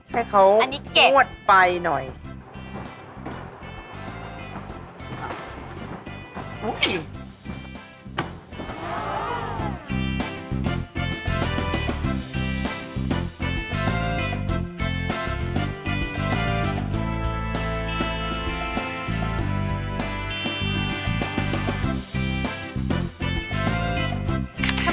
ให้เขาอวดไปหน่อยอันนี้เก็บ